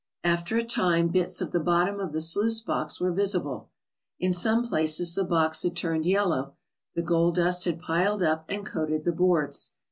After a time bits of the bottom of the sluice box were visible. In some places the box had turned yellow; the gold dust had piled up and coated the boards.